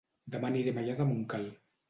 Dema aniré a Maià de Montcal